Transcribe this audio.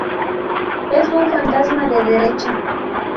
Es un fantasma de derecha